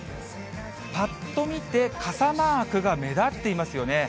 ぱっと見て、傘マークが目立っていますよね。